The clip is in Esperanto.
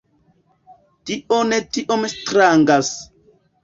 Tio ne tiom strangas.